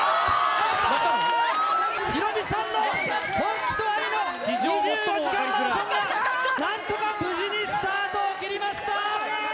ヒロミさんの本気と愛の２４時間マラソンが、なんとか無事にスタートを切りました。